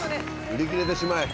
売り切れてしまえ。